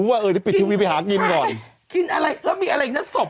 ว่าเออเดี๋ยวปิดทีวีไปหากินก่อนกินอะไรแล้วมีอะไรอีกนะศพ